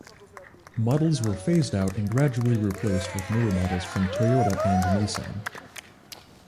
Models were phased out and gradually replaced with newer models from Toyota and Nissan.